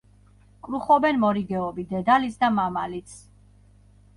კრუხობენ მორიგეობით, დედალიც და მამალიც.